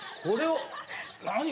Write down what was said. これを何？